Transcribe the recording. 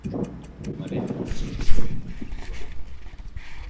maria onyango ni naibu mwenyekiti wa tume hiyo